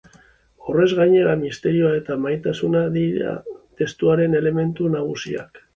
Horrez gainera, misterioa eta maitasuna dira testuaren elementu nagusiak.